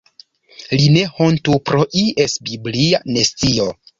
Li ne hontu pro ies biblia nescio.